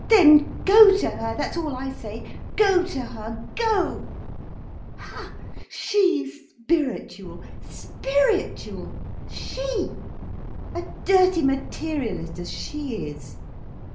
"Then go to her, that's all I say, go to her, go. Ha, she spiritual—spiritual, she! A dirty materialist as she is.